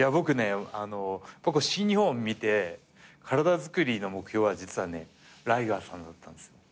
いや僕ね新日本を見て体づくりの目標は実はねライガーさんだったんです。